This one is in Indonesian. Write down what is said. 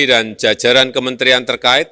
dan jajaran kementerian terkait